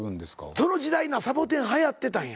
その時代サボテンはやってたんや。